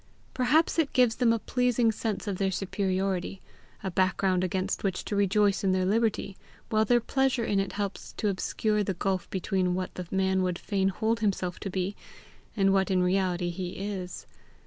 Perhaps it gives them a pleasing sense of their superiority a background against which to rejoice in their liberty, while their pleasure in it helps to obscure the gulf between what the man would fain hold himself to be, and what in reality he is.